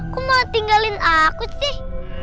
aku mau tinggalin aku sih